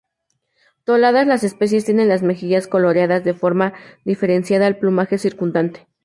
Todas las especies tienen las mejillas coloreadas de forma diferenciada al plumaje circundante.